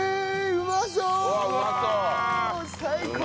うまそう。